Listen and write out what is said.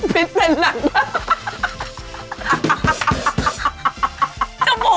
มีเครื่องกรองพี่เต๋นแล้ว